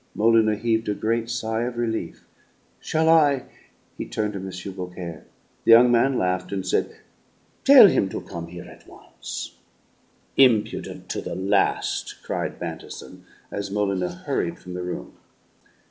Molyneux heaved a great sigh of relief. "Shall I " He turned to M. Beaucaire. The young man laughed, and said: "Tell him come here at once. "Impudent to the last!" cried Bantison, as Molyneux hurried from the room.